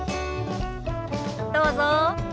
どうぞ。